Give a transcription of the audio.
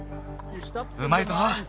うまいぞ！